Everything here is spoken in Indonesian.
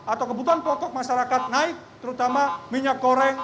atau kebutuhan pokok masyarakat naik terutama minyak goreng